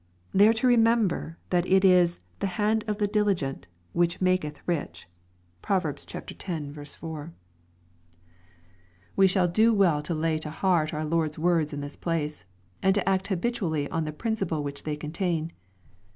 They are to remember that it is " the hand of the diligent which maketh rich." (Prov. x 4.) 414 EXPOSITORY THOUGHTS. We shall do well to lay to heart our Lord's words iii this place, and to act habitually on the principle which they contain.